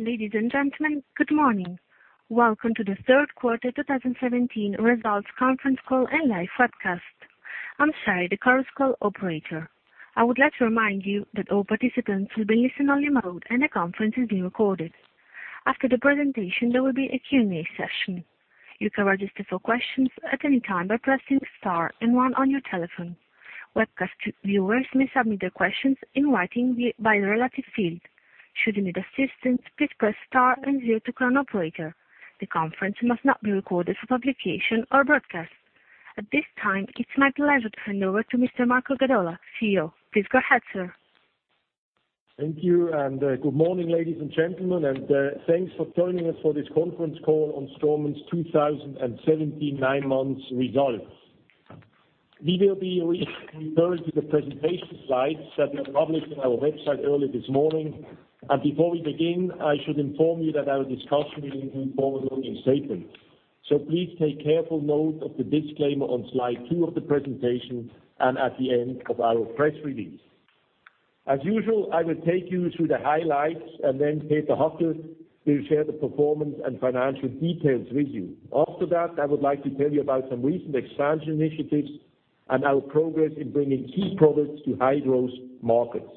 Ladies and gentlemen, good morning. Welcome to the third quarter 2017 results conference call and live webcast. I'm Sally, the conference call operator. I would like to remind you that all participants will be in listen-only mode, and the conference is being recorded. After the presentation, there will be a Q&A session. You can register for questions at any time by pressing star 1 on your telephone. Webcast viewers may submit their questions in writing by the relative field. Should you need assistance, please press star 0 to reach an operator. The conference must not be recorded for publication or broadcast. At this time, it's my pleasure to hand over to Mr. Marco Gadola, CEO. Please go ahead, sir. Thank you, good morning, ladies and gentlemen, and thanks for joining us for this conference call on Straumann's 2017 nine months results. We will be referring to the presentation slides that we published on our website earlier this morning. Before we begin, I should inform you that our discussion will include forward-looking statements. Please take careful note of the disclaimer on slide two of the presentation and at the end of our press release. As usual, I will take you through the highlights and then Peter Hackel will share the performance and financial details with you. After that, I would like to tell you about some recent expansion initiatives and our progress in bringing key products to high-growth markets.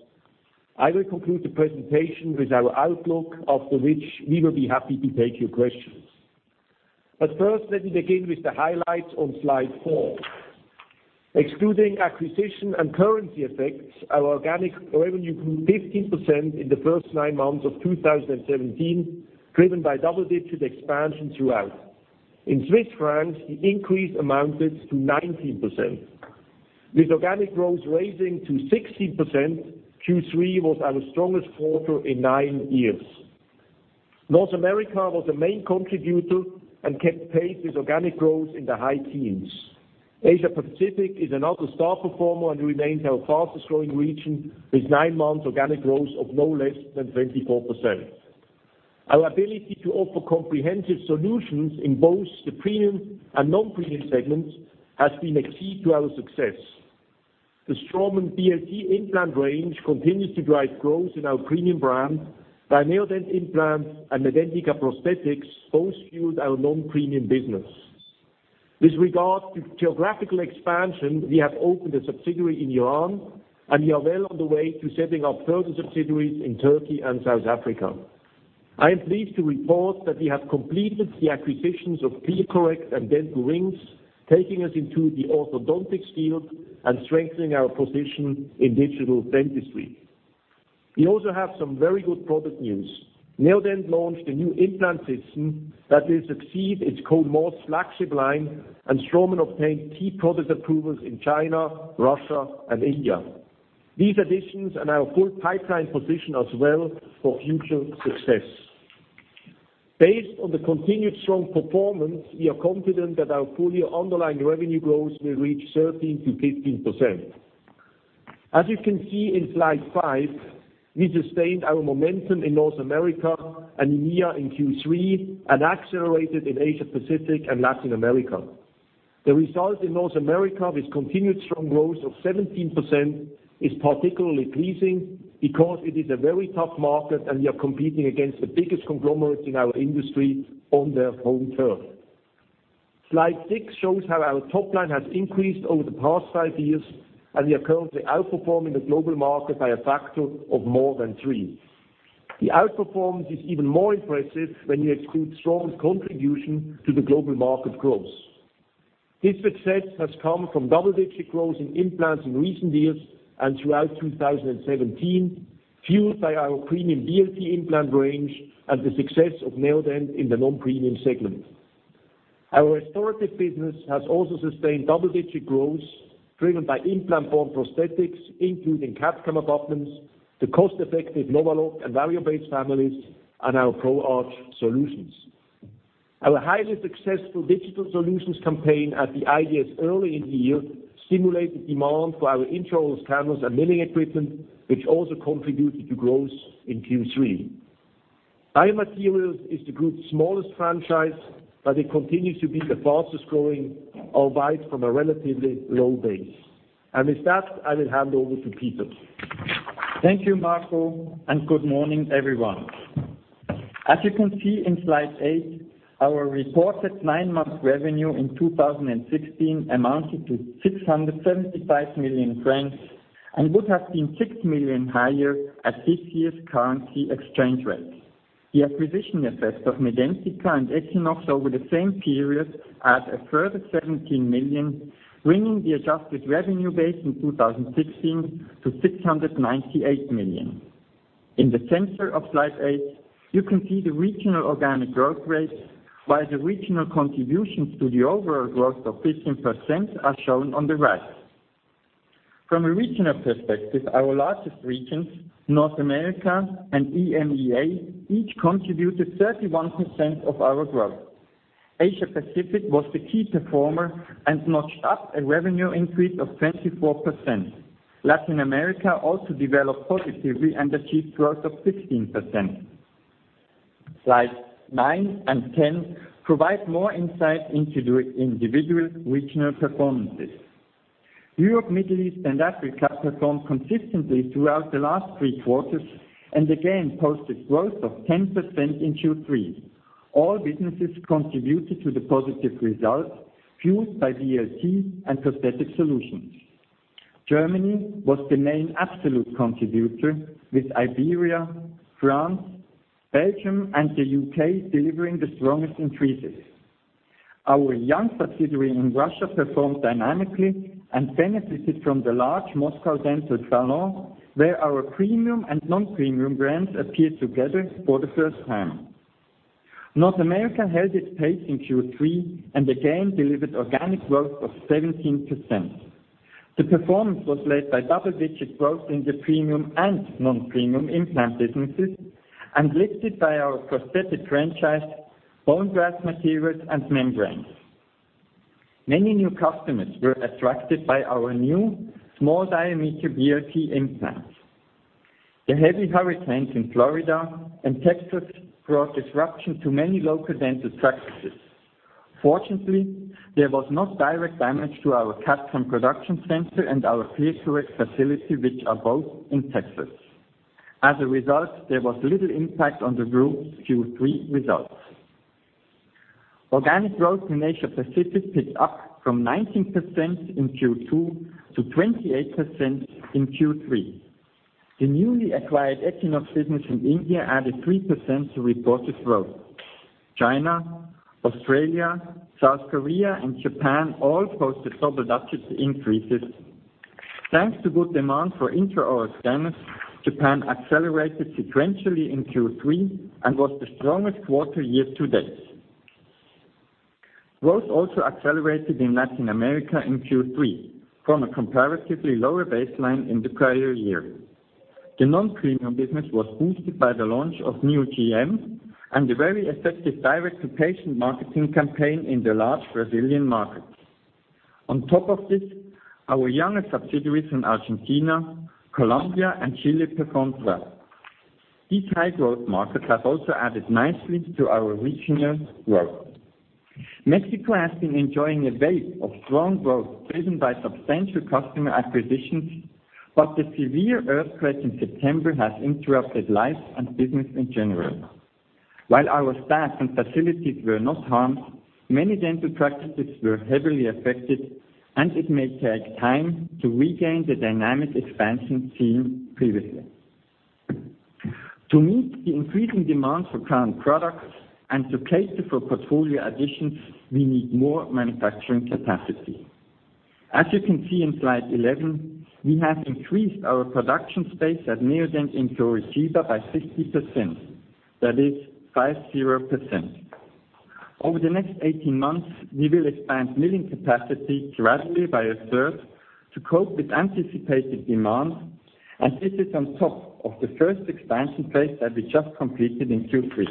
I will conclude the presentation with our outlook, after which we will be happy to take your questions. First, let me begin with the highlights on slide four. Excluding acquisition and currency effects, our organic revenue grew 15% in the first nine months of 2017, driven by double-digit expansion throughout. In Swiss francs, the increase amounted to 19%. With organic growth raising to 16%, Q3 was our strongest quarter in nine years. North America was the main contributor and kept pace with organic growth in the high teens. Asia Pacific is another star performer and remains our fastest-growing region, with nine months organic growth of no less than 24%. Our ability to offer comprehensive solutions in both the premium and non-premium segments has been a key to our success. The Straumann BLT implant range continues to drive growth in our premium brand. BioHorizons implant and Medentika prosthetics both fueled our non-premium business. With regard to geographical expansion, we have opened a subsidiary in Iran, and we are well on the way to setting up further subsidiaries in Turkey and South Africa. I am pleased to report that we have completed the acquisitions of ClearCorrect and Dental Wings, taking us into the orthodontics field and strengthening our position in digital dentistry. We also have some very good product news. Neodent launched a new implant system that will succeed its Cone Morse flagship line and Straumann obtained key product approvals in China, Russia, and India. These additions and our full pipeline position us well for future success. Based on the continued strong performance, we are confident that our full-year underlying revenue growth will reach 13%-15%. As you can see in slide five, we sustained our momentum in North America and EMEA in Q3 and accelerated in Asia Pacific and Latin America. The result in North America with continued strong growth of 17% is particularly pleasing because it is a very tough market, we are competing against the biggest conglomerates in our industry on their home turf. Slide six shows how our top line has increased over the past five years, we are currently outperforming the global market by a factor of more than three. The outperformance is even more impressive when you exclude Straumann's contribution to the global market growth. This success has come from double-digit growth in implants in recent years and throughout 2017, fueled by our premium BLT implant range and the success of Neodent in the non-premium segment. Our restorative business has also sustained double-digit growth, driven by implant-born prosthetics, including Capta attachments, the cost-effective Novaloc and Variobase families, and our ProArch solutions. Our highly successful digital solutions campaign at the IDS early in the year stimulated demand for our intraoral scanners and milling equipment, which also contributed to growth in Q3. Biomaterials is the group's smallest franchise, but it continues to be the fastest growing, albeit from a relatively low base. With that, I will hand over to Peter. Thank you, Marco, good morning, everyone. As you can see in slide eight, our reported nine-month revenue in 2016 amounted to 675 million francs and would have been 6 million higher at this year's currency exchange rate. The acquisition effects of Medentika and Equinox over the same period add a further 17 million, bringing the adjusted revenue base in 2016 to 698 million. In the center of slide eight, you can see the regional organic growth rates, while the regional contributions to the overall growth of 15% are shown on the right. From a regional perspective, our largest regions, North America and EMEA, each contributed 31% of our growth. Asia Pacific was the key performer and notched up a revenue increase of 24%. Latin America also developed positively and achieved growth of 16%. Slides nine and 10 provide more insight into the individual regional performances. Europe, Middle East, and Africa performed consistently throughout the last three quarters and again posted growth of 10% in Q3. All businesses contributed to the positive result, fueled by BLT and prosthetic solutions. Germany was the main absolute contributor, with Iberia, France, Belgium, and the U.K. delivering the strongest increases. Our young subsidiary in Russia performed dynamically and benefited from the large Moscow dental salon, where our premium and non-premium brands appeared together for the first time. North America held its pace in Q3 and again delivered organic growth of 17%. The performance was led by double-digit growth in the premium and non-premium implant businesses and lifted by our prosthetic franchise, bone graft materials, and membranes. Many new customers were attracted by our new small diameter BLT implants. The heavy hurricanes in Florida and Texas brought disruption to many local dental practices. Fortunately, there was no direct damage to our Andover production center and our ClearCorrect facility, which are both in Texas. As a result, there was little impact on the group's Q3 results. Organic growth in Asia Pacific picked up from 19% in Q2 to 28% in Q3. The newly acquired Equinox business in India added 3% to reported growth. China, Australia, South Korea, and Japan all posted double-digit increases. Thanks to good demand for intraoral scanners, Japan accelerated sequentially in Q3 and was the strongest quarter year to date. Growth also accelerated in Latin America in Q3 from a comparatively lower baseline in the prior year. The non-premium business was boosted by the launch of new GMs and a very effective direct-to-patient marketing campaign in the large Brazilian market. On top of this, our younger subsidiaries in Argentina, Colombia, and Chile performed well. These high-growth markets have also added nicely to our regional growth. Mexico has been enjoying a wave of strong growth driven by substantial customer acquisitions. The severe earthquake in September has interrupted life and business in general. While our staff and facilities were not harmed, many dental practices were heavily affected, and it may take time to regain the dynamic expansion seen previously. To meet the increasing demand for current products and to cater for portfolio additions, we need more manufacturing capacity. As you can see on slide 11, we have increased our production space at Neodent in Curitiba by 50%. That is 50%. Over the next 18 months, we will expand milling capacity gradually by a third to cope with anticipated demand, and this is on top of the first expansion phase that we just completed in Q3.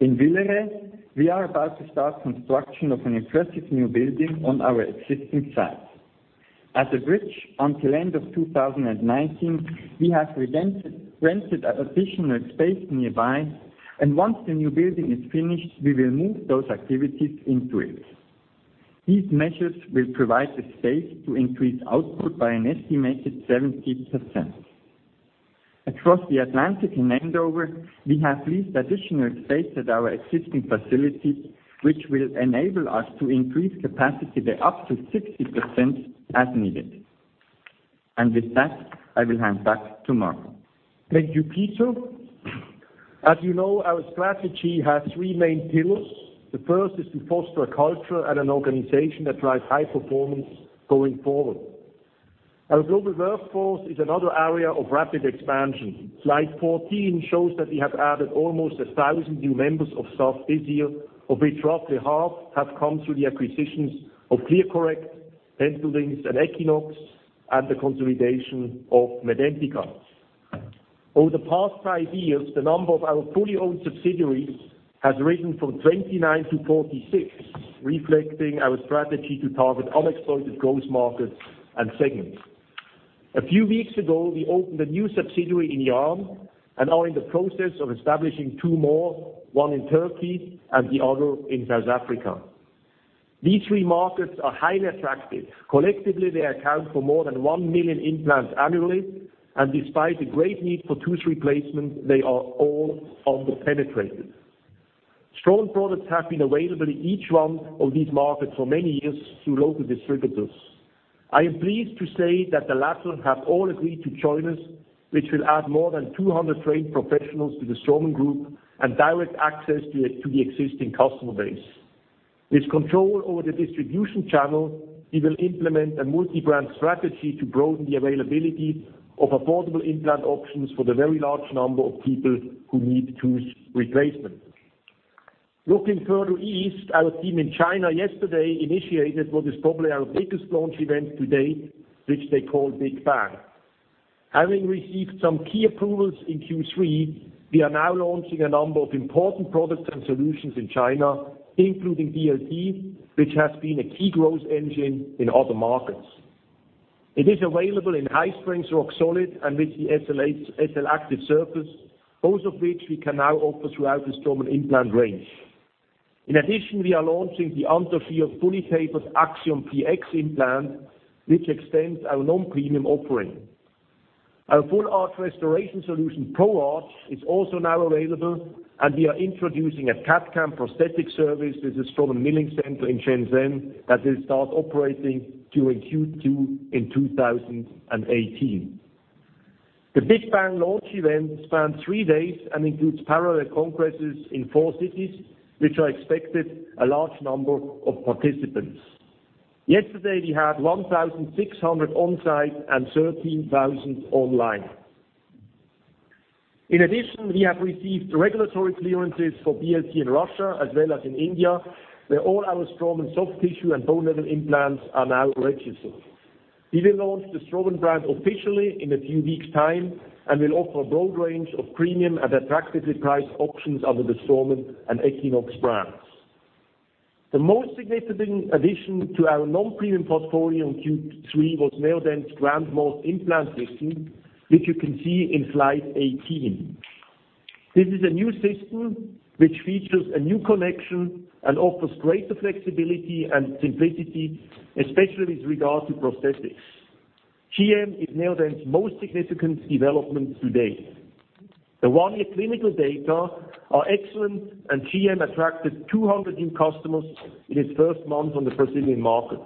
In Villeret, we are about to start construction of an impressive new building on our existing site. As a bridge, until the end of 2019, we have rented additional space nearby, and once the new building is finished, we will move those activities into it. These measures will provide the space to increase output by an estimated 70%. Across the Atlantic in Andover, we have leased additional space at our existing facility, which will enable us to increase capacity by up to 60% as needed. With that, I will hand back to Marco. Thank you, Peter. As you know, our strategy has three main pillars. The first is to foster a culture and an organization that drives high performance going forward. Our global workforce is another area of rapid expansion. Slide 14 shows that we have added almost 1,000 new members of staff this year, of which roughly half have come through the acquisitions of ClearCorrect, Dental Wings, and Equinox, and the consolidation of Medentika. Over the past five years, the number of our fully owned subsidiaries has risen from 29 to 46, reflecting our strategy to target unexploited growth markets and segments. A few weeks ago, we opened a new subsidiary in Iran and are in the process of establishing two more, one in Turkey and the other in South Africa. These three markets are highly attractive. Collectively, they account for more than 1 million implants annually, and despite a great need for tooth replacement, they are all under-penetrated. Straumann products have been available in each one of these markets for many years through local distributors. I am pleased to say that the latter have all agreed to join us, which will add more than 200 trained professionals to the Straumann Group and direct access to the existing customer base. With control over the distribution channel, we will implement a multi-brand strategy to broaden the availability of affordable implant options for the very large number of people who need tooth replacement. Looking further east, our team in China yesterday initiated what is probably our biggest launch event to date, which they call Big Bang. Having received some key approvals in Q3, we are now launching a number of important products and solutions in China, including BLT, which has been a key growth engine in other markets. It is available in high-strength Roxolid and with the SLActive surface, both of which we can now offer throughout the Straumann implant range. In addition, we are launching the Anthogyr fully tapered Axiom PX implant, which extends our non-premium offering. Our full-arch restoration solution, ProArch, is also now available, and we are introducing a CAD/CAM prosthetic service with a Straumann milling center in Shenzhen that will start operating during Q2 2018. The Big Bang launch event spanned 3 days and includes parallel congresses in 4 cities, which are expected a large number of participants. Yesterday, we had 1,600 on-site and 13,000 online. In addition, we have received regulatory clearances for BLT in Russia as well as in India, where all our Straumann soft tissue and bone-level implants are now registered. We will launch the Straumann brand officially in a few weeks' time, and will offer a broad range of premium and attractively priced options under the Straumann and Equinox brands. The most significant addition to our non-premium portfolio in Q3 was Neodent's Grand Morse implant system, which you can see in slide 18. This is a new system which features a new connection and offers greater flexibility and simplicity, especially with regard to prosthetics. GM is Neodent's most significant development to date. The 1-year clinical data are excellent, and GM attracted 200 new customers in its first month on the Brazilian market.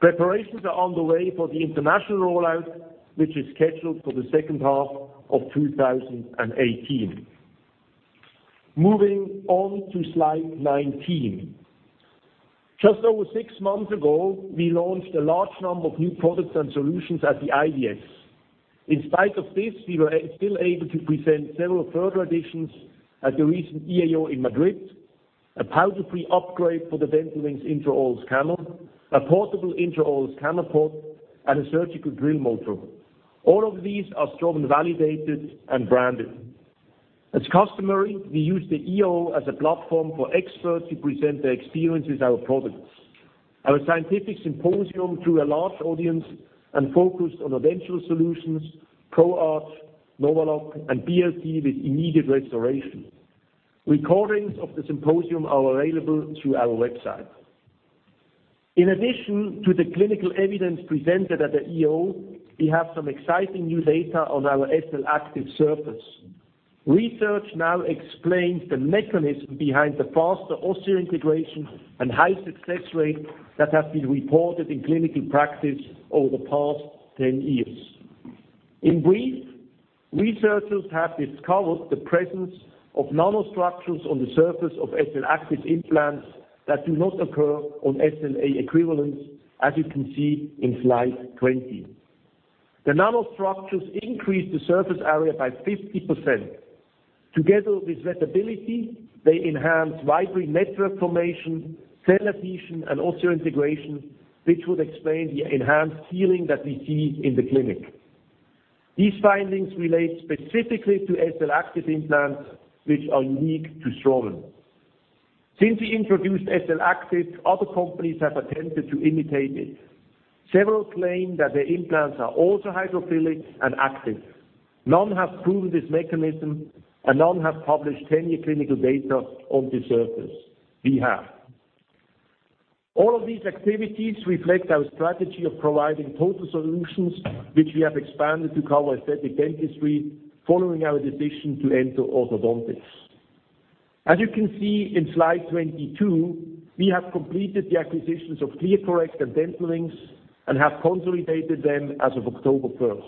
Preparations are underway for the international rollout, which is scheduled for the second half of 2018. Moving on to slide 19. Just over 6 months ago, we launched a large number of new products and solutions at the IDS. In spite of this, we were still able to present several further additions at the recent EAO in Madrid, a powder-free upgrade for the Dental Wings intra-oral scanner, a portable intra-oral scanner pod, and a surgical drill motor. All of these are Straumann-validated and branded. As customary, we used the EAO as a platform for experts to present their experience with our products. Our scientific symposium drew a large audience and focused on edentulous solutions, ProArch, Novaloc, and BLT with immediate restoration. Recordings of the symposium are available through our website. In addition to the clinical evidence presented at the EAO, we have some exciting new data on our SLActive surface. Research now explains the mechanism behind the faster osseointegration and high success rate that have been reported in clinical practice over the past 10 years. In brief, researchers have discovered the presence of nanostructures on the surface of SLActive implants that do not occur on SLA equivalents, as you can see in slide 20. The nanostructures increase the surface area by 50%. Together with wettability, they enhance fibrin network formation, cell adhesion, and osseointegration, which would explain the enhanced healing that we see in the clinic. These findings relate specifically to SLActive implants, which are unique to Straumann. Since we introduced SLActive, other companies have attempted to imitate it. Several claim that their implants are also hydrophilic and active. None have proven this mechanism, and none have published 10-year clinical data on the surface. We have. All of these activities reflect our strategy of providing total solutions, which we have expanded to cover aesthetic dentistry following our decision to enter orthodontics. As you can see in slide 22, we have completed the acquisitions of ClearCorrect and Dental Wings and have consolidated them as of October 1st.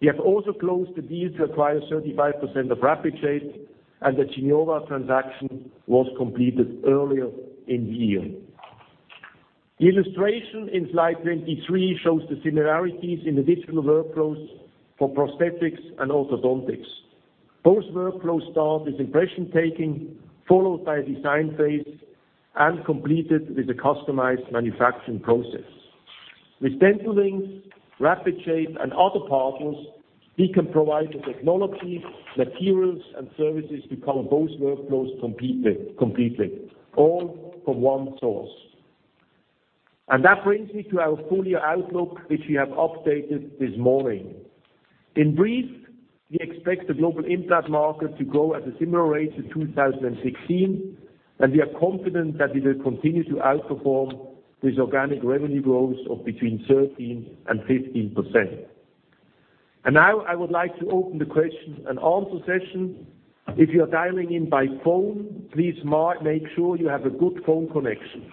We have also closed the deal to acquire 35% of RapidShape, and the Geniova transaction was completed earlier in the year. The illustration in slide 23 shows the similarities in the digital workflows for prosthetics and orthodontics. Both workflows start with impression-taking, followed by a design phase, and completed with a customized manufacturing process. With Dental Wings, RapidShape, and other partners, we can provide the technology, materials, and services to cover both workflows completely, all from one source. That brings me to our full-year outlook, which we have updated this morning. In brief, we expect the global implant market to grow at a similar rate to 2016, and we are confident that we will continue to outperform with organic revenue growth of between 13% and 15%. Now I would like to open the question and answer session. If you are dialing in by phone, please make sure you have a good phone connection.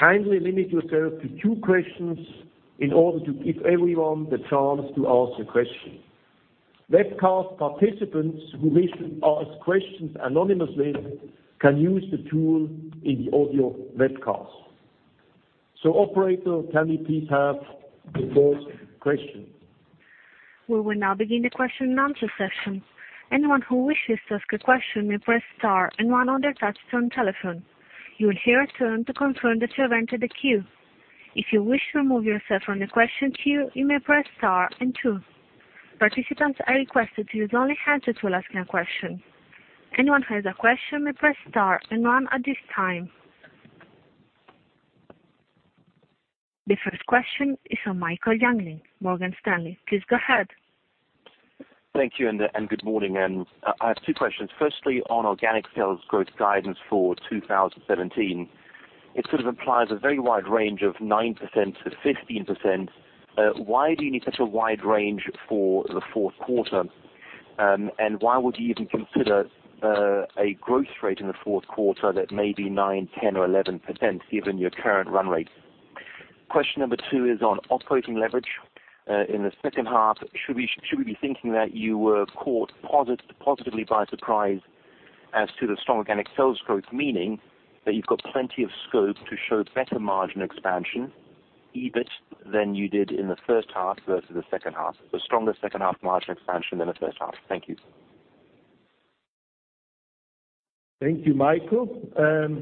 Kindly limit yourself to two questions in order to give everyone the chance to ask a question. Webcast participants who wish to ask questions anonymously can use the tool in the audio webcast. Operator, can we please have the first question? We will now begin the question and answer session. Anyone who wishes to ask a question may press star and one on their touch-tone telephone. You will hear a tone to confirm that you have entered the queue. If you wish to remove yourself from the question queue, you may press star and two. Participants are requested to use only hands to ask a question Anyone who has a question may press star. None at this time. The first question is from Michael Jüngling, Morgan Stanley. Please go ahead. Thank you. Good morning. I have two questions. Firstly, on organic sales growth guidance for 2017. It sort of implies a very wide range of 9%-15%. Why do you need such a wide range for the fourth quarter? Why would you even consider a growth rate in the fourth quarter that may be 9, 10 or 11% given your current run rate? Question number 2 is on operating leverage. In the second half, should we be thinking that you were caught positively by surprise as to the strong organic sales growth, meaning that you've got plenty of scope to show better margin expansion, EBIT than you did in the first half versus the second half? The stronger second half margin expansion than the first half. Thank you. Thank you, Michael,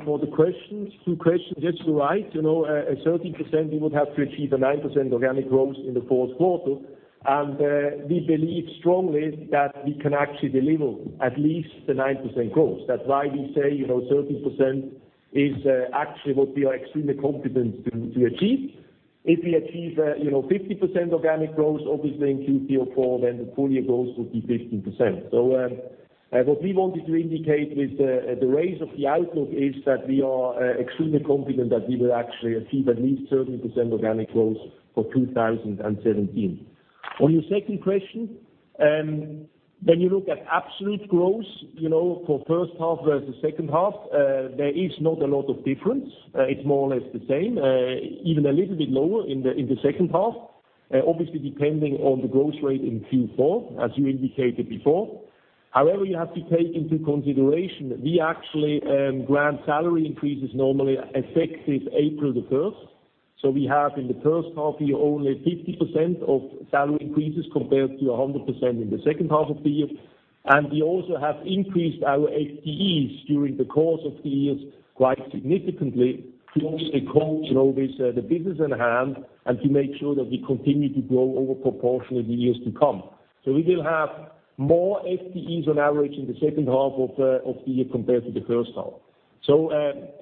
for the questions. 2 questions. Yes, you're right. At 30%, we would have to achieve a 9% organic growth in the fourth quarter. We believe strongly that we can actually deliver at least the 9% growth. That's why we say 30% is actually what we are extremely confident to achieve. If we achieve 50% organic growth, obviously in Q3 or 4, then the full year growth would be 15%. What we wanted to indicate with the raise of the outlook is that we are extremely confident that we will actually achieve at least 30% organic growth for 2017. On your 2nd question, when you look at absolute growth, for first half versus second half, there is not a lot of difference. It's more or less the same, even a little bit lower in the second half. Obviously, depending on the growth rate in Q4, as you indicated before. However, you have to take into consideration that we actually grant salary increases normally effective April 1st. We have in the first half year only 50% of salary increases compared to 100% in the second half of the year. We also have increased our FTEs during the course of the years quite significantly to obviously cope with the business at hand and to make sure that we continue to grow over proportionally the years to come. We will have more FTEs on average in the second half of the year compared to the first half.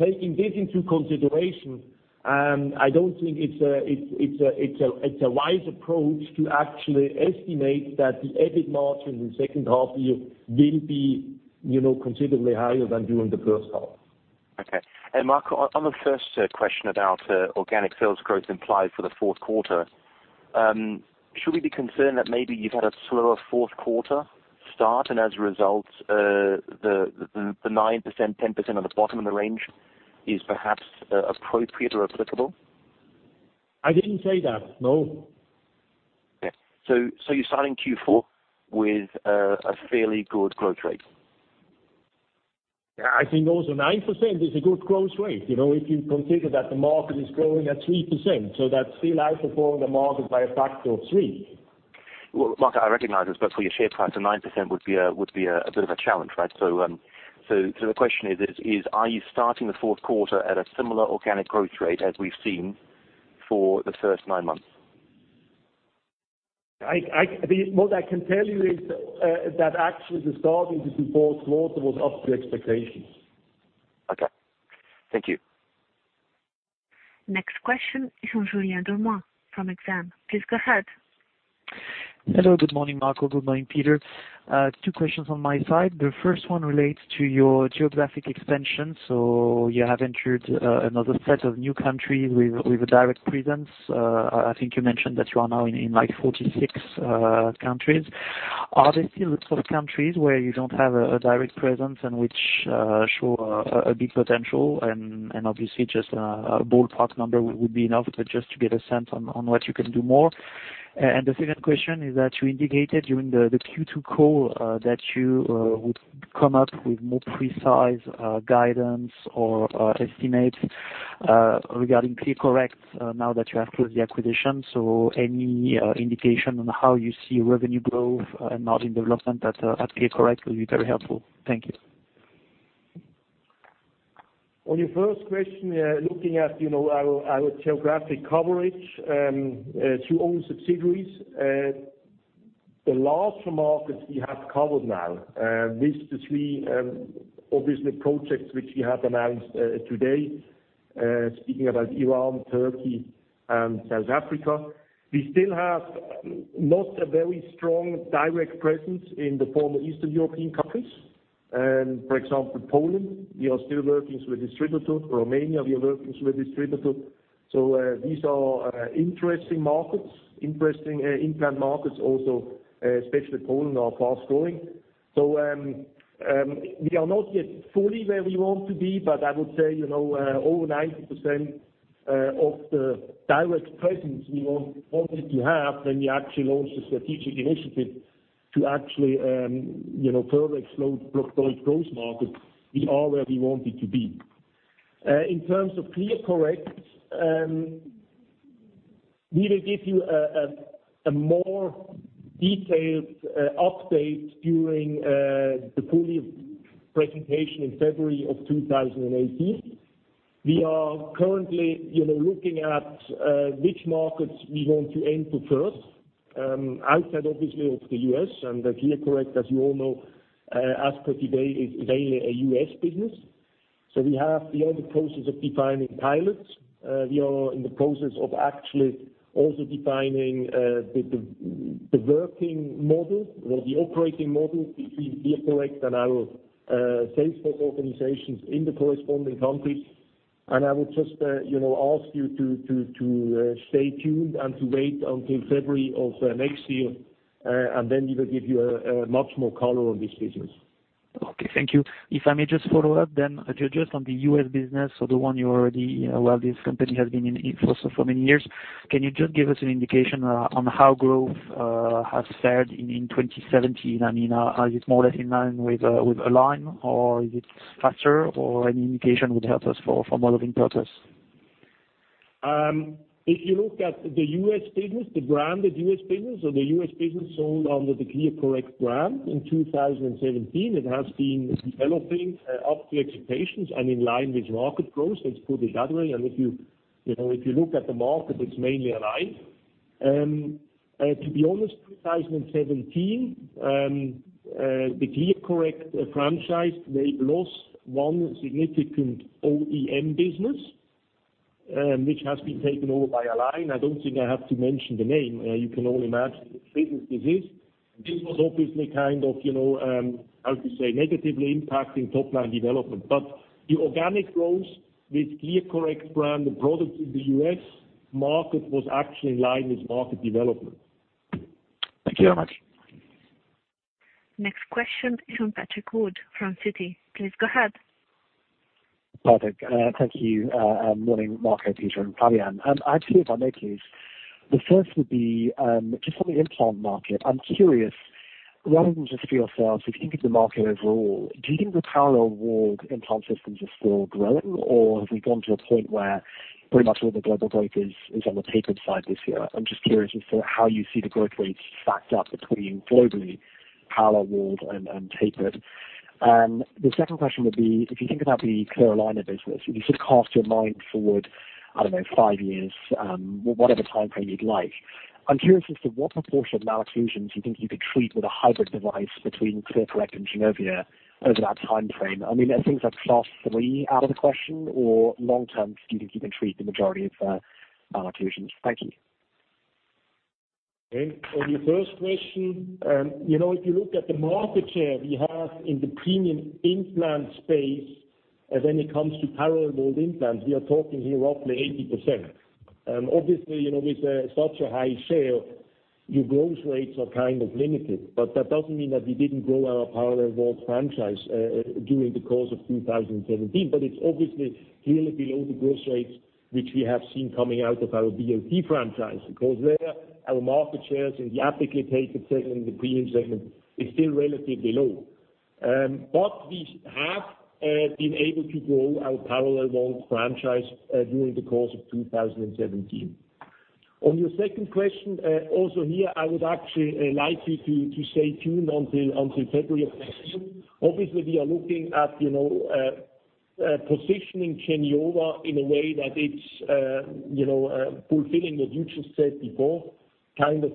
Taking this into consideration, I don't think it's a wise approach to actually estimate that the EBIT margin in the second half year will be considerably higher than during the first half. Okay. Marco, on the 1st question about organic sales growth implied for the fourth quarter. Should we be concerned that maybe you've had a slower fourth quarter start, and as a result, the 9%-10% on the bottom of the range is perhaps appropriate or applicable? I didn't say that, no. Okay. You're starting Q4 with a fairly good growth rate? I think also 9% is a good growth rate. If you consider that the market is growing at 3%, that's still outperforming the market by a factor of three. Well, Marco, I recognize this, for your share price, a 9% would be a bit of a challenge, right? The question is: Are you starting the fourth quarter at a similar organic growth rate as we've seen for the first nine months? What I can tell you is that actually the starting to do fourth quarter was up to expectations. Okay. Thank you. Next question is from Julien Dormois from Exane. Please go ahead. Hello. Good morning, Marco. Good morning, Peter. Two questions on my side. The first one relates to your geographic expansion. You have entered another set of new countries with a direct presence. I think you mentioned that you are now in 46 countries. Are there still sort of countries where you don't have a direct presence and which show a big potential and obviously just a ballpark number would be enough, but just to get a sense on what you can do more. The second question is that you indicated during the Q2 call that you would come up with more precise guidance or estimates regarding ClearCorrect now that you have closed the acquisition. Any indication on how you see revenue growth and margin development at ClearCorrect will be very helpful. Thank you. On your first question, looking at our geographic coverage through owned subsidiaries. The last markets we have covered now, with the three, obviously projects which we have announced today. Speaking about Iran, Turkey, and South Africa. We still have not a very strong direct presence in the former Eastern European countries. For example, Poland, we are still working with distributors. Romania, we are working with distributors. These are interesting markets, interesting implant markets also, especially Poland are fast-growing. We are not yet fully where we want to be, but I would say over 90% of the direct presence we wanted to have when we actually launched the strategic initiative to actually further explore growth markets. We are where we wanted to be. In terms of ClearCorrect, we will give you a more detailed update during the full year presentation in February of 2018. We are currently looking at which markets we want to enter first outside, obviously, of the U.S. ClearCorrect, as you all know, as of today, is mainly a U.S. business. We are in the process of defining pilots. We are in the process of actually also defining the working model or the operating model between ClearCorrect and our sales force organizations in the corresponding countries. I would just ask you to stay tuned and to wait until February of next year, then we will give you much more color on this business. Okay, thank you. If I may just follow up, just on the U.S. business or the one this company has been in for so many years, can you just give us an indication on how growth has fared in 2017? Is it more or less in line with Align, or is it faster, or any indication would help us for modeling purpose? If you look at the U.S. business, the branded U.S. business, or the U.S. business sold under the ClearCorrect brand in 2017, it has been developing up to expectations and in line with market growth. Let's put it that way. If you look at the market, it's mainly Align. To be honest, 2017, the ClearCorrect franchise, they lost one significant OEM business, which has been taken over by Align. I don't think I have to mention the name. You can all imagine which business this is. This was obviously kind of, how to say, negatively impacting top-line development. The organic growth with ClearCorrect brand, the products in the U.S. market was actually in line with market development. Thank you very much. Next question is from Patrick Wood from Citi. Please go ahead. Perfect. Thank you. Morning, Marco, Peter, and Fabian. I have two, if I may, please. The first would be just on the implant market. I'm curious, rather than just for yourselves, if you think of the market overall, do you think the parallel walled implant systems are still growing, or have we gotten to a point where pretty much all the global growth is on the tapered side this year? I'm just curious as to how you see the growth rates stacked up between globally parallel walled and tapered. The second question would be, if you think about the clear aligner business, if you sort of cast your mind forward, I don't know, five years, whatever timeframe you'd like, I'm curious as to what proportion of malocclusions you think you could treat with a hybrid device between ClearCorrect and Geniova over that timeframe. Are things like class 3 out of the question, or long term, do you think you can treat the majority of malocclusions? Thank you. On your first question, if you look at the market share we have in the premium implant space, when it comes to parallel walled implants, we are talking here roughly 80%. With such a high share, your growth rates are kind of limited. That doesn't mean that we didn't grow our parallel walled franchise during the course of 2017. It's obviously clearly below the growth rates which we have seen coming out of our BLT franchise, because there, our market shares in the apically tapered segment, in the premium segment, is still relatively low. We have been able to grow our parallel walled franchise during the course of 2017. On your second question, also here, I would actually like you to stay tuned until February of next year. We are looking at positioning Geniova in a way that it's fulfilling what you just said before, kind of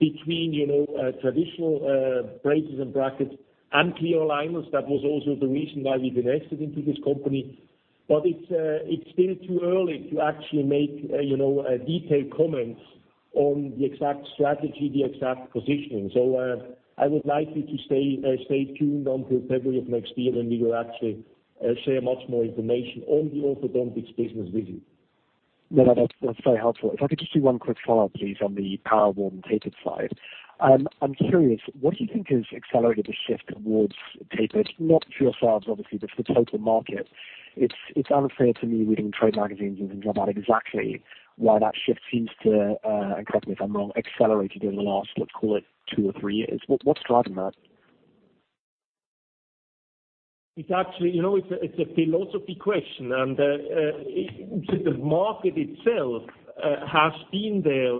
between traditional braces and brackets and clear aligners. That was also the reason why we've invested into this company. It's still too early to actually make detailed comments on the exact strategy, the exact positioning. I would like you to stay tuned until February of next year when we will actually share much more information on the orthodontics business with you. That's very helpful. If I could just do one quick follow-up, please, on the parallel walled and tapered side. I'm curious, what do you think has accelerated the shift towards tapered? Not for yourselves, obviously, but for the total market. It's unclear to me, reading trade magazines, exactly why that shift seems to, and correct me if I'm wrong, accelerated in the last, let's call it two or three years. What's driving that? It's a philosophy question, the market itself has been there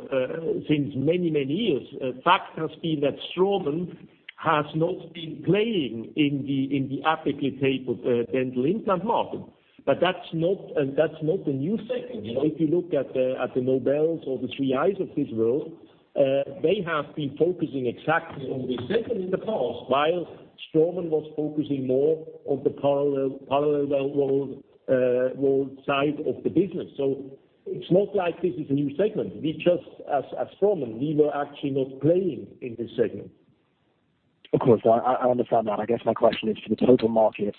since many, many years. Fact has been that Straumann has not been playing in the apically tapered dental implant market. That's not a new segment. If you look at the Nobels or the 3Is of this world, they have been focusing exactly on this segment in the past, while Straumann was focusing more on the parallel walled side of the business. It's not like this is a new segment. We just, as Straumann, we were actually not playing in this segment. Of course. I understand that. I guess my question is for the total market,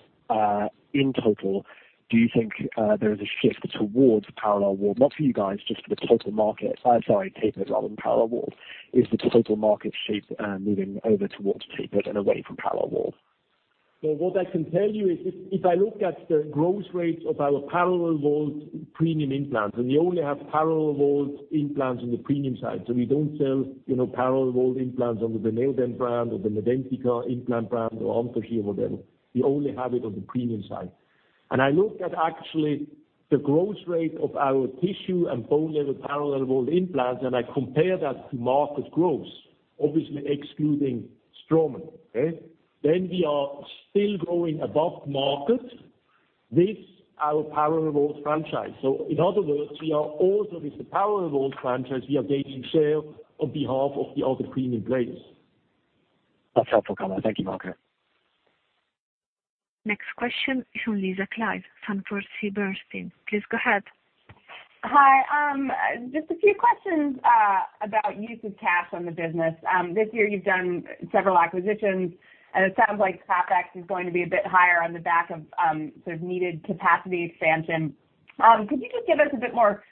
in total, do you think there is a shift towards parallel walled? Not for you guys, just for the total market. Sorry, tapered rather than parallel walled. Is the total market shaped, moving over towards tapered and away from parallel walled? What I can tell you is if I look at the growth rates of our parallel walled premium implants, and we only have parallel walled implants on the premium side. We don't sell parallel walled implants under the Neodent brand or the Medentika implant brand or Ankylos or whatever. We only have it on the premium side. I look at actually the growth rate of our tissue and bone level parallel walled implants, and I compare that to market growth, obviously excluding Straumann. Then we are still growing above market with our parallel-walled franchise. In other words, we are also with the parallel-walled franchise, we are gaining share on behalf of the other premium brands. That's helpful, comment. Thank you, Marco. Next question is from Lisa Clive, Sanford C. Bernstein. Please go ahead. Hi. Just a few questions about use of cash on the business. This year you've done several acquisitions, and it sounds like CapEx is going to be a bit higher on the back of needed capacity expansion. Could you just give us a bit more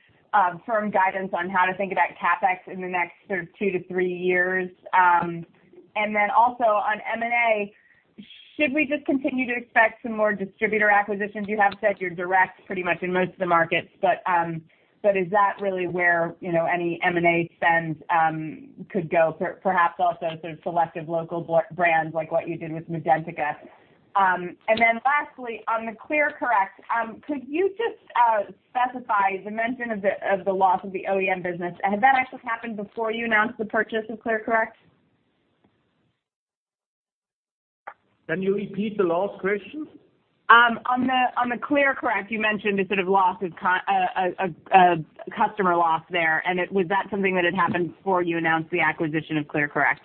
firm guidance on how to think about CapEx in the next two to three years? Also on M&A, should we just continue to expect some more distributor acquisitions? You have said you're direct pretty much in most of the markets, is that really where any M&A spends could go, perhaps also selective local brands like what you did with Medentika. Lastly, on the ClearCorrect, could you just specify the mention of the loss of the OEM business, had that actually happened before you announced the purchase of ClearCorrect? Can you repeat the last question? On the ClearCorrect, you mentioned a sort of customer loss there, was that something that had happened before you announced the acquisition of ClearCorrect?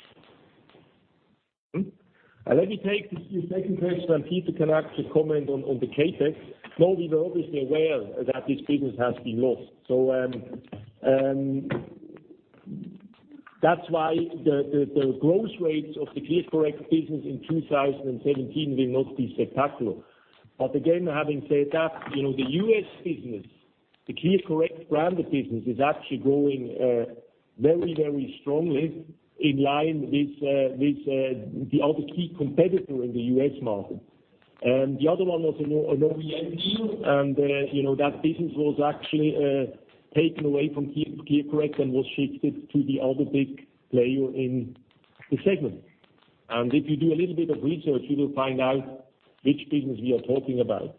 Let me take the second question, Peter can actually comment on the CapEx. No, we were obviously aware that this business has been lost. That's why the growth rates of the ClearCorrect business in 2017 will not be spectacular. Again, having said that, the U.S. business, the ClearCorrect branded business, is actually growing very strongly in line with the other key competitor in the U.S. market. The other one was an OEM deal, that business was actually taken away from ClearCorrect and was shifted to the other big player in the segment. If you do a little bit of research, you will find out which business we are talking about.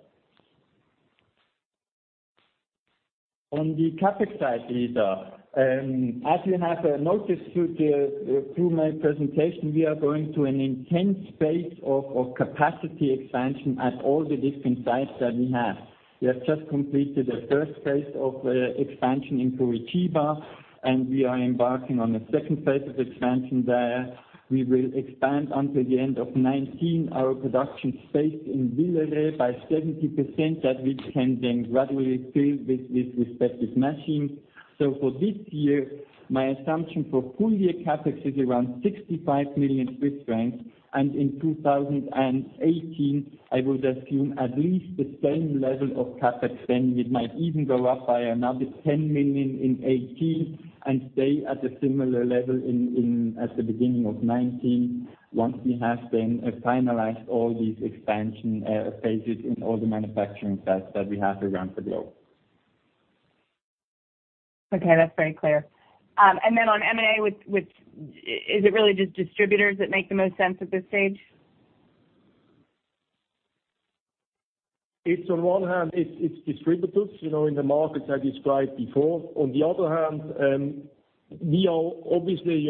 On the CapEx side, Lisa, as you have noticed through my presentation, we are going through an intense phase of capacity expansion at all the different sites that we have. We have just completed the first phase of expansion in Curitiba, and we are embarking on the second phase of expansion there. We will expand until the end of 2019, our production space in Villeret by 70%, that we can then gradually fill with respective machines. For this year, my assumption for full year CapEx is around 65 million Swiss francs, and in 2018, I would assume at least the same level of CapEx then. It might even go up by another 10 million in 2018, and stay at a similar level at the beginning of 2019 once we have then finalized all these expansion phases in all the manufacturing sites that we have around the globe. Okay, that's very clear. On M&A, is it really just distributors that make the most sense at this stage? It's on one hand, it's distributors in the markets I described before. On the other hand, we are obviously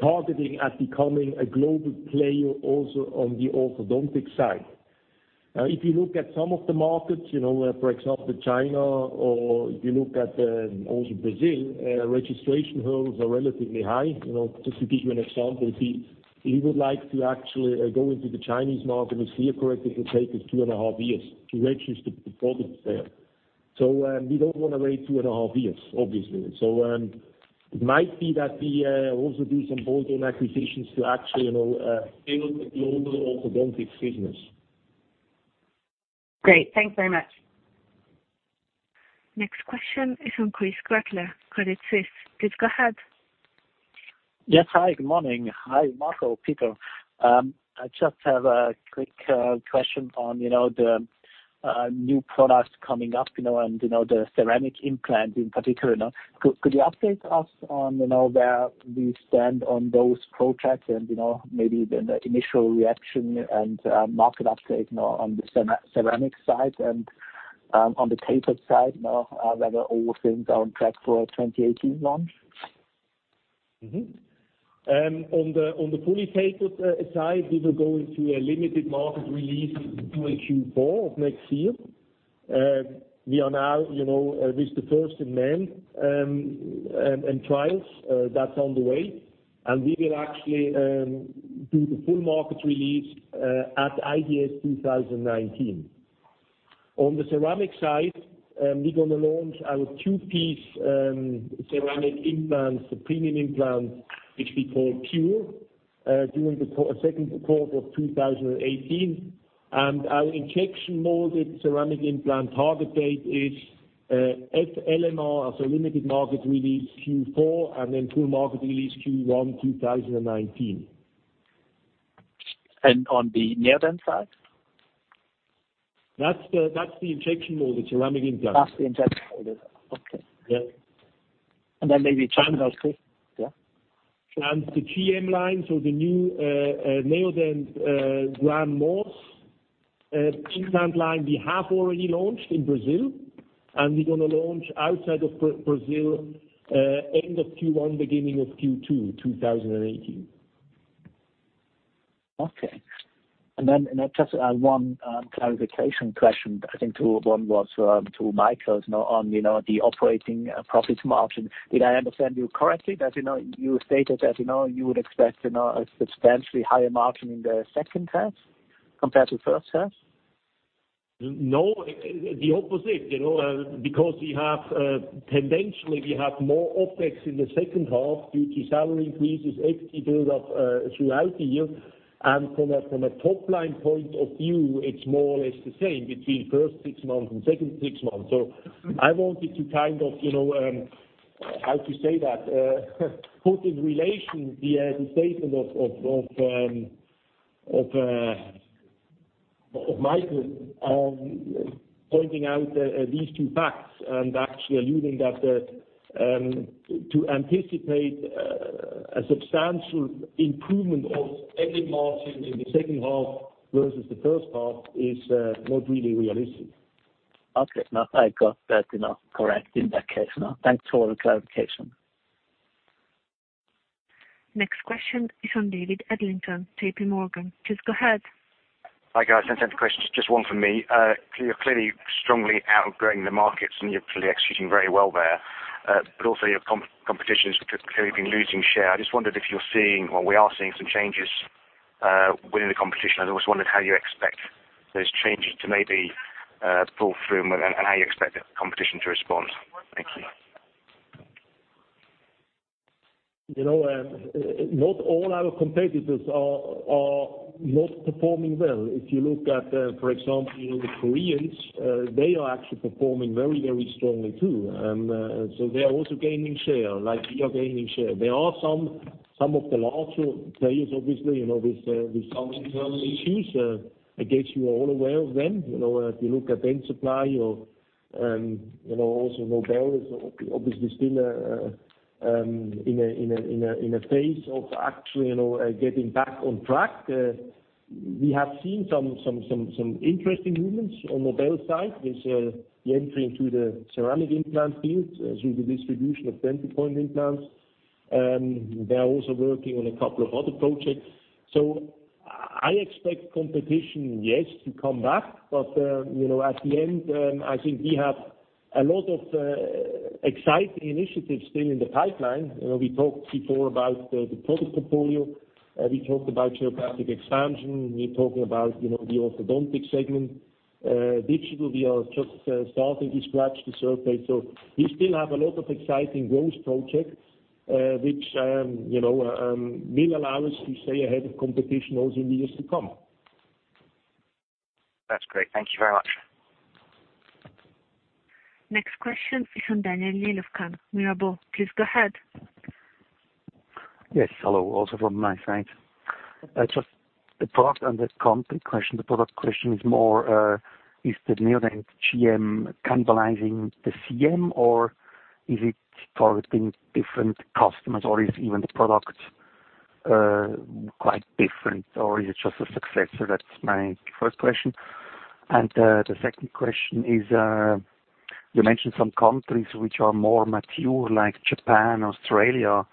targeting at becoming a global player also on the orthodontic side. If you look at some of the markets, for example, China or if you look at also Brazil, registration hurdles are relatively high. Just to give you an example, we would like to actually go into the Chinese market with ClearCorrect. It will take us two and a half years to register the product there. We don't want to wait two and a half years, obviously. It might be that we also do some bolt-on acquisitions to actually build the global orthodontic business. Great. Thanks very much. Next question is from Christoph Gretler, Credit Suisse. Please go ahead. Yes, hi, good morning. Hi, Marco, Peter. I just have a quick question on the new products coming up, and the ceramic implant in particular now. Could you update us on where we stand on those projects and maybe the initial reaction and market update now on the ceramic side and on the CapEx side now, whether all things are on track for a 2018 launch? On the fully CapEx side, we will go into a limited market release in Q4 of next year. We are now with the first in-man trials that is on the way. We will actually do the full market release at IDS 2019. On the ceramic side, we are going to launch our two-piece ceramic implants, the premium implants, which we call PURE, during the second quarter of 2018. Our injection molded ceramic implant target date is LMR as a limited market release Q4, then full market release Q1 2019. On the Neodent side? That's the injection molded ceramic implants. That's the injection molded. Okay. Yeah. Maybe China also. Yeah. The GM line, so the new Neodent Grand Morse Implant line we have already launched in Brazil, and we're going to launch outside of Brazil end of Q1, beginning of Q2 2018. Okay. Just one clarification question, I think one was to Michael's now on the operating profit margin. Did I understand you correctly that you stated that you would expect a substantially higher margin in the second half compared to the first half? No, the opposite. Tendentially, we have more OpEx in the second half due to salary increases, equity build-up throughout the year. From a top-line point of view, it's more or less the same between first six months and second six months. I wanted to, how to say that? Put in relation the statement of Michael on pointing out these two facts, actually alluding that to anticipate a substantial improvement of EBITDA margins in the second half versus the first half is not really realistic. Okay. I got that correct in that case now. Thanks for all the clarification. Next question is from David Adlington, J.P. Morgan. Please go ahead. Hi, guys. Don't have questions, just one from me. You are clearly strongly outgrowing the markets, and you are clearly executing very well there. Also your competition has clearly been losing share. I just wondered if you are seeing or we are seeing some changes within the competition. I always wondered how you expect those changes to maybe pull through and how you expect the competition to respond. Thanks. Not all our competitors are not performing well. If you look at, for example, the Koreans, they are actually performing very strongly too. They are also gaining share like we are gaining share. There are some of the larger players, obviously, with some internal issues. I guess you are all aware of them. If you look at Dentsply or also Nobel is obviously still in a phase of actually getting back on track. We have seen some interesting movements on Nobel side with the entry into the ceramic implant field through the distribution of Dentsply implants. They are also working on a couple of other projects. I expect competition, yes, to come back. At the end, I think we have a lot of exciting initiatives still in the pipeline. We talked before about the product portfolio. We talked about geographic expansion. We talked about the orthodontic segment. Digital, we are just starting to scratch the surface. We still have a lot of exciting growth projects, which will allow us to stay ahead of competition also in the years to come. That's great. Thank you very much. Next question is from Daniel Jelovcan, Mirabaud. Please go ahead. Yes, hello, also from my side. Just the product and the comp question. The product question is more, is the Neodent Grand Morse cannibalizing the Cone Morse or is it targeting different customers, or is even the product quite different, or is it just a successor? That is my first question. The second question is, you mentioned some countries which are more mature, like Japan, Australia,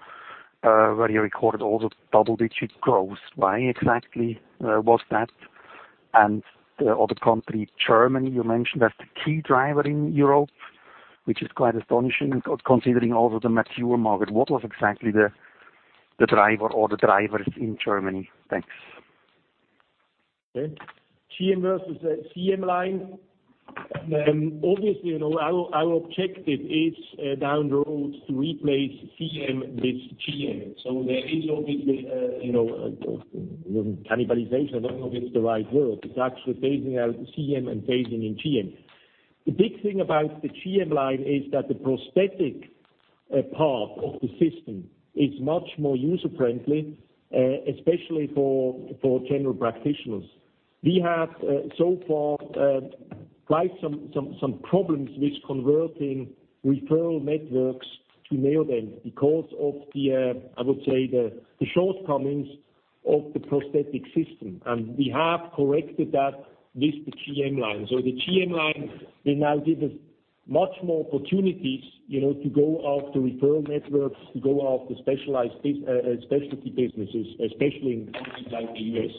where you recorded all the double-digit growth. Why exactly was that? The other country, Germany, you mentioned that is the key driver in Europe, which is quite astonishing considering also the mature market. What was exactly the driver or the drivers in Germany? Thanks. Okay. Grand Morse versus Cone Morse line. Obviously, our objective is down the road to replace Cone Morse with Grand Morse. There is obviously, cannibalization, I don't know if it's the right word. It's actually phasing out Cone Morse and phasing in Grand Morse. The big thing about the Grand Morse line is that the prosthetic part of the system is much more user-friendly, especially for general practitioners. We have so far quite some problems with converting referral networks to Neodent because of the, I would say the shortcomings of the prosthetic system. We have corrected that with the Grand Morse line. The Grand Morse line will now give us much more opportunities to go after referral networks, to go after specialty businesses, especially in countries like the U.S.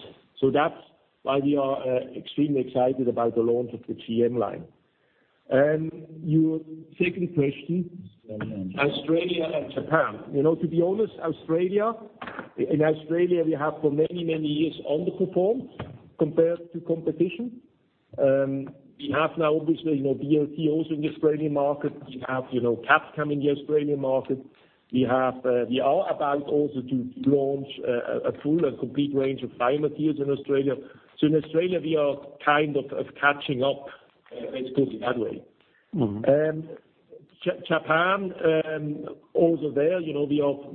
That is why we are extremely excited about the launch of the Grand Morse line. Your second question: Australia and Japan. To be honest, in Australia, we have for many years underperformed compared to competition. We have now obviously BLT also in the Australian market. We have CARES coming in the Australian market. We are about also to launch a full and complete range of Biomet 3i in Australia. In Australia, we are catching up, let's put it that way. Japan, also there, we are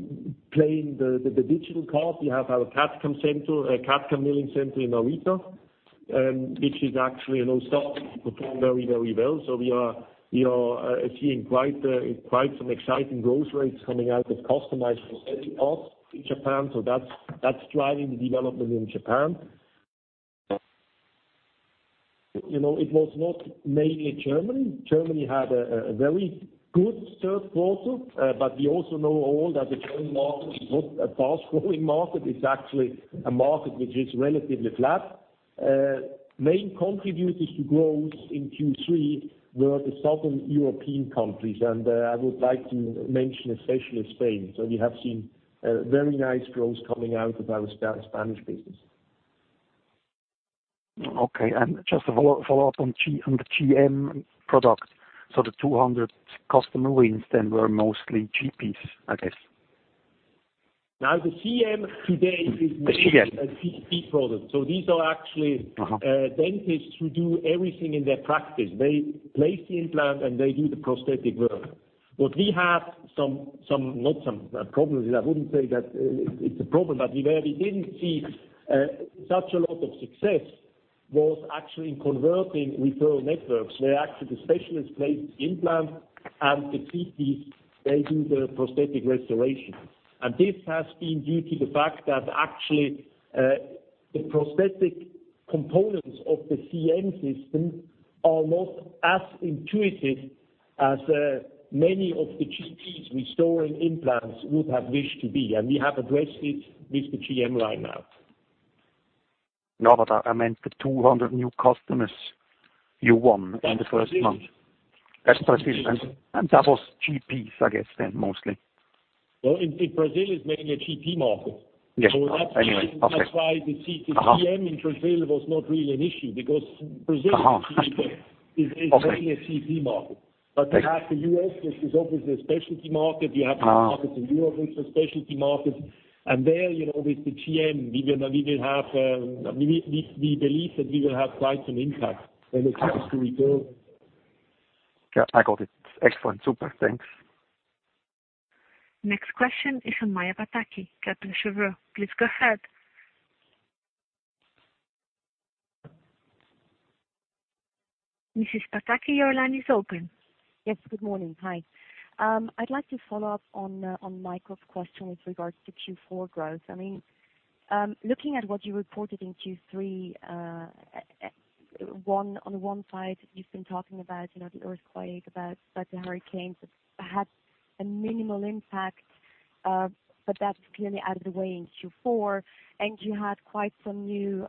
playing the digital card. We have our CARES milling center in Narita, which is actually now starting to perform very well. We are seeing quite some exciting growth rates coming out of customized prosthetic hubs in Japan. That is driving the development in Japan. It was not mainly in Germany. Germany had a very good third quarter, but we also know that the German market is not a fast-growing market. It is actually a market which is relatively flat. Main contributors to growth in Q3 were the Southern European countries, I would like to mention especially Spain. We have seen very nice growth coming out of our Spanish business. Okay. Just to follow up on the GM product, the 200 customer wins were mostly GPs, I guess. The CM today. The GPs. mainly a GP product. These are actually dentists who do everything in their practice. They place the implant, and they do the prosthetic work. What we have, some problems, I wouldn't say that it's a problem, but we really didn't see such a lot of success was actually in converting referral networks, where actually the specialist place the implant and the GP, they do the prosthetic restoration. This has been due to the fact that actually, the prosthetic components of the CM system are not as intuitive as many of the GPs restoring implants would have wished to be. We have addressed it with the GM right now. I meant the 200 new customers you won in the first month. That's Brazil. That's Brazil. That was GPs, I guess then, mostly. Well, Brazil is mainly a GP market. Yes. Anyway, okay. That's why the CM in Brazil was not really an issue, because Brazil- Okay. is mainly a GP market. You have the U.S., which is obviously a specialty market. You have. Obviously Europe, which are specialty markets. There, with the GM, we believe that we will have quite an impact when it comes to rebuild. Yeah, I got it. Excellent. Super. Thanks. Next question is from Maja Pataki, Kepler Cheuvreux. Please go ahead. Mrs. Pataki, your line is open. Yes, good morning. Hi. I'd like to follow up on Michael's question with regards to Q4 growth. Looking at what you reported in Q3, on the one side, you've been talking about the earthquake, about the hurricanes that had a minimal impact, but that's clearly out of the way in Q4, and you had quite some new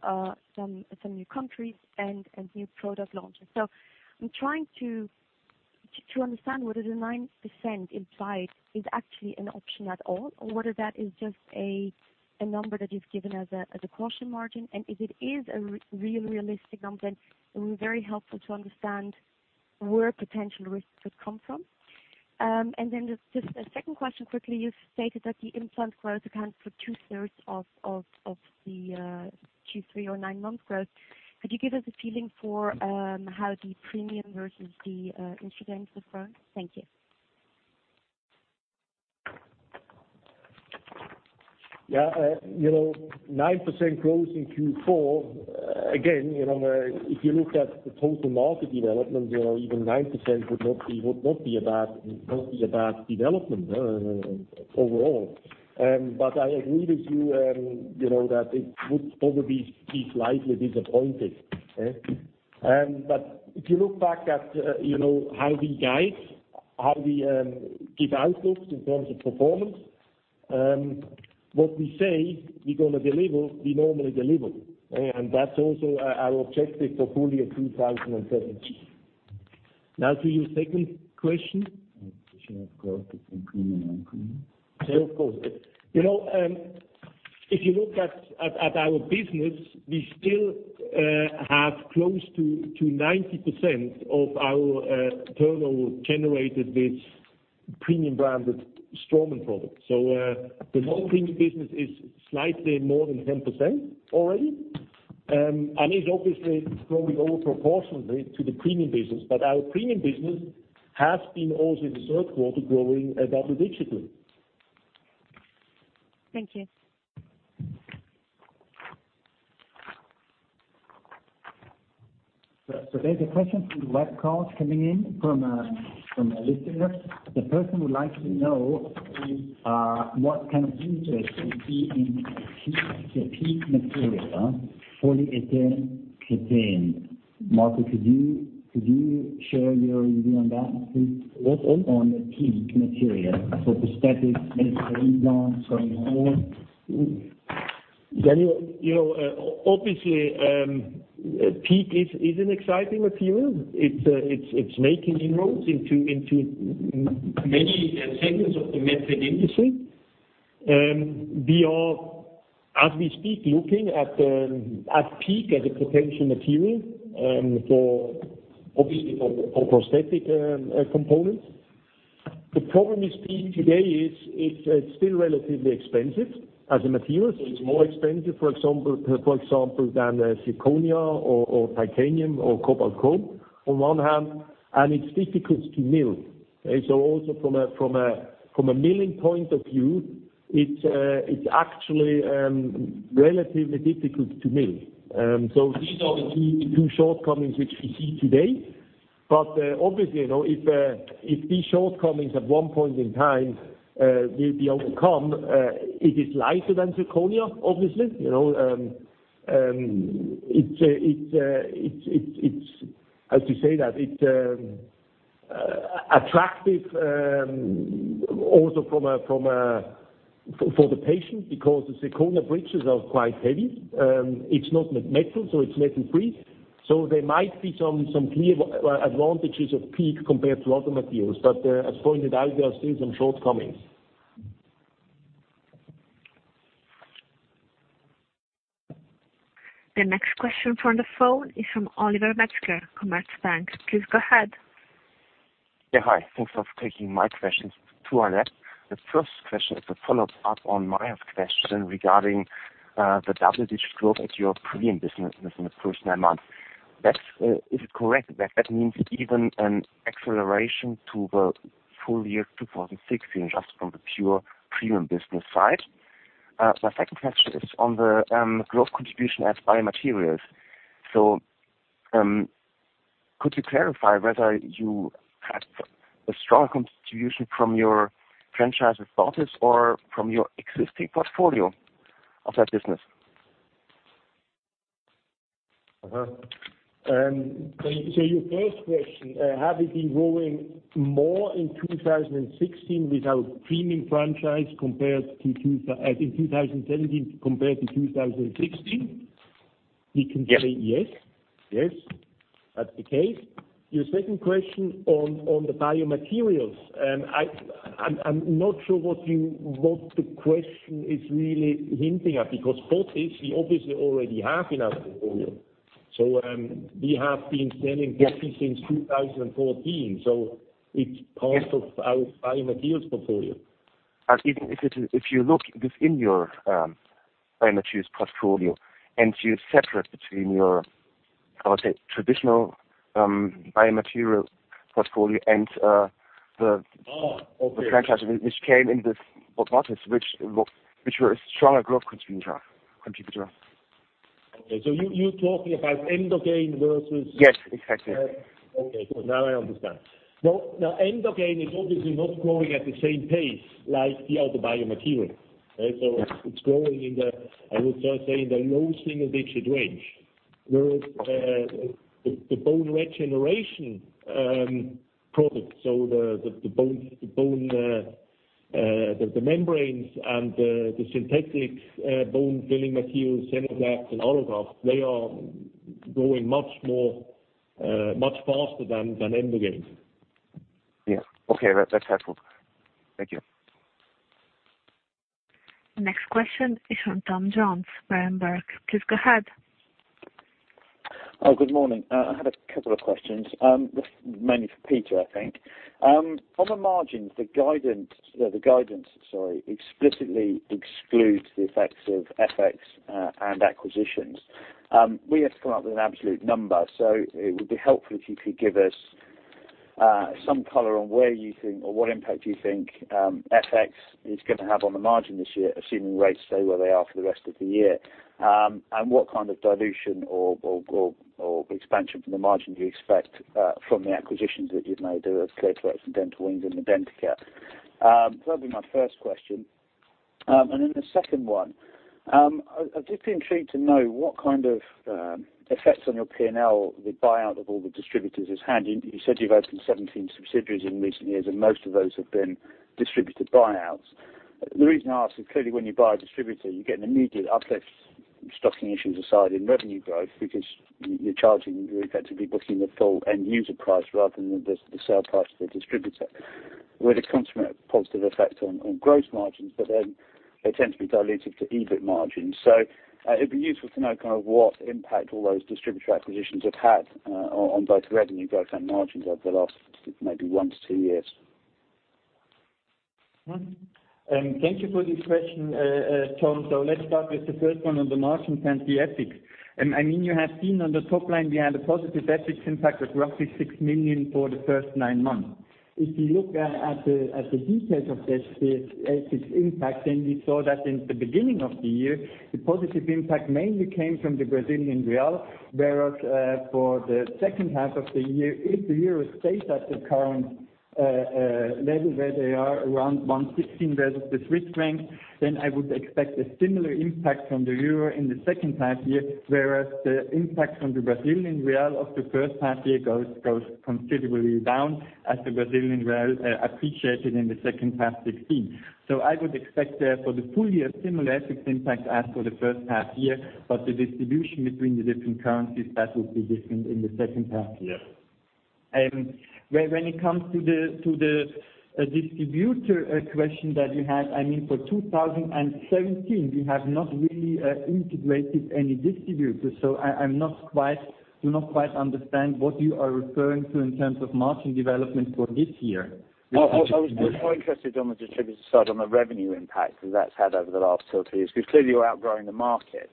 countries and new product launches. I'm trying to understand whether the 9% implied is actually an option at all, or whether that is just a number that you've given as a caution margin. If it is a real realistic number, it would be very helpful to understand where potential risks would come from. Just a second question quickly. You stated that the implant growth accounts for two-thirds of the Q3 or nine-month growth. Could you give us a feeling for how the premium versus the instruments have grown? Thank you. 9% growth in Q4. Again, if you look at the total market development, even 9% would not be a bad development overall. I agree with you, that it would probably be slightly disappointing. If you look back at how we guide, how we give outlooks in terms of performance, what we say we're going to deliver, we normally deliver. That's also our objective for full year 2017. Now to your second question. Question of growth between premium and premium. Yeah, of course. If you look at our business, we still have close to 90% of our turnover generated with premium branded Straumann products. The non-premium business is slightly more than 10% already, and is obviously growing over proportionally to the premium business. Our premium business has been also in the third quarter growing double-digitally. Thank you. There's a question from the web call coming in from a listener. The person would like to know what kind of interest would be in a PEEK material for the PEEK abutment model. Could you share your review on that, please? What? On the PEEK material for prosthetics, maybe implants going forward. Daniel, obviously, PEEK is an exciting material. It's making inroads into many segments of the MedTech industry. We are, as we speak, looking at PEEK as a potential material, obviously for prosthetic components. The problem with PEEK today is it's still relatively expensive as a material. It's more expensive, for example, than zirconia or titanium or cobalt chrome on one hand, and it's difficult to mill. Also from a milling point of view, it's actually relatively difficult to mill. These are the two shortcomings which we see today. Obviously, if these shortcomings at one point in time will be overcome, it is lighter than zirconia, obviously. How to say that? It's attractive also for the patient because the zirconia bridges are quite heavy. It's not metal, it's metal-free. There might be some clear advantages of PEEK compared to other materials. As pointed out, there are still some shortcomings. The next question from the phone is from Oliver Metzger, Commerzbank. Please go ahead. Yeah, hi. Thanks for taking my questions. Two are left. The first question is a follow-up on my question regarding the double-digit growth at your premium business in the first nine months. Is it correct that that means even an acceleration to the full year 2016, just from the pure premium business side? My second question is on the growth contribution as biomaterials. Could you clarify whether you had a strong contribution from your franchise [authorities] or from your existing portfolio of that business? Your first question, have we been growing more in 2017 compared to 2016? We can say yes. Yes. Yes, that's the case. Your second question on the biomaterials. I'm not sure what the question is really hinting at, because both we obviously already have in our portfolio. We have been selling both since 2014. It's part of our biomaterials portfolio. Even if you look within your biomaterials portfolio and you separate between your, how to say, traditional biomaterial portfolio and the- Oh, okay franchise, which came in this quarters, which were a stronger growth contributor. Okay, you're talking about Emdogain versus? Yes, exactly. Okay, cool. Now I understand. Now, Emdogain is obviously not growing at the same pace like the other biomaterials. It's growing in the, I would say, in the low single-digit range. Whereas the bone regeneration products, so the membranes and the synthetic bone filling materials, XenoGraft and Allograft, they are growing much faster than Emdogain. Yeah. Okay. That's helpful. Thank you. Next question is from Tom Jones, Berenberg. Please go ahead. Good morning. I had a couple of questions. Mainly for Peter, I think. On the margins, the guidance explicitly excludes the effects of FX and acquisitions. We have to come up with an absolute number, so it would be helpful if you could give us some color on where you think or what impact you think FX is going to have on the margin this year, assuming rates stay where they are for the rest of the year. What kind of dilution or expansion from the margin do you expect from the acquisitions that you've made of ClearCorrect and Dental Wings and Medentika? That'll be my first question. The second one, I'd just be intrigued to know what kind of effects on your P&L the buyout of all the distributors has had. You said you've opened 17 subsidiaries in recent years, most of those have been distributor buyouts. The reason I ask is clearly when you buy a distributor, you get an immediate uplift, stocking issues aside, in revenue growth because you're effectively booking the full end user price rather than the sale price to the distributor. Where this comes from, a positive effect on gross margins, they tend to be dilutive to EBIT margins. It'd be useful to know what impact all those distributor acquisitions have had on both revenue growth and margins over the last maybe one to two years. Thank you for this question, Tom. Let's start with the first one on the margins and the FX. You have seen on the top line we had a positive FX impact of roughly 6 million for the first nine months. If you look at the details of this FX impact, we saw that in the beginning of the year, the positive impact mainly came from the Brazilian real, whereas for the second half of the year, if the EUR stays at the current level where they are, around 1.16 versus the Swiss franc, I would expect a similar impact from the EUR in the second half year, whereas the impact from the Brazilian real of the first half year goes considerably down as the Brazilian real appreciated in the second half 2016. I would expect for the full year, similar FX impact as for the first half year, but the distribution between the different currencies, that would be different in the second half year. When it comes to the distributor question that you had, for 2017, we have not really integrated any distributors. I do not quite understand what you are referring to in terms of margin development for this year. I was more interested on the distributor side, on the revenue impact that that's had over the last two or three years, because clearly you're outgrowing the market.